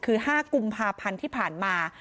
คือ๕กุมภาพันธ์ที่ผ่านมา